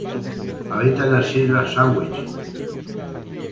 Habita en las Islas Sandwich.